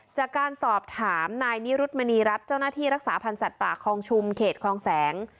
จากการสอบถามนายนิรุธมณีรัฐเจ้าหน้าที่รักษาพันธ์สัตว์ป่าคลองชุมเขตคลองแสง